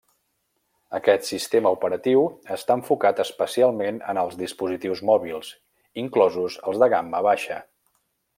Aquest sistema operatiu està enfocat especialment en els dispositius mòbils inclosos els de gamma baixa.